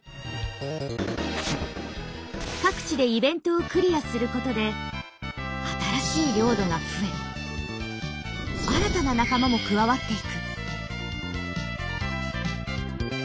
各地でイベントをクリアすることで新しい領土が増え新たな仲間も加わっていく。